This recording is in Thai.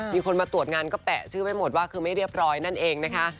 มีคนมาตรวจงานก็แปะชื่อไว้หมดว่าคือไม่เรียบร้อยนั่นเองนะคะ